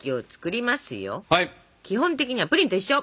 基本的にはプリンと一緒。